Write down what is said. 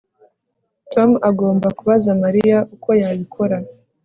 Tom agomba kubaza Mariya uko yabikora